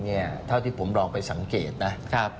เท่าที่ผมลองไปสังเกตนะ